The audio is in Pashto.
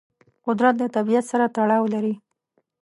قدرت د طبیعت سره تړاو لري.